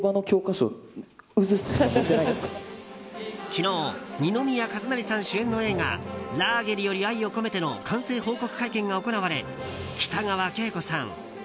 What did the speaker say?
昨日、二宮和也さん主演の映画「ラーゲリより愛を込めて」の完成報告会見が行われ北川景子さん